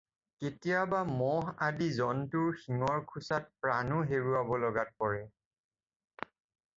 কেতিয়াবা ম'হ আদি জন্তুৰ শিঙৰ খোচত প্ৰাণও হেৰুৱাব লগাত পৰে।